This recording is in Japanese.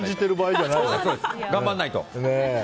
頑張らないと！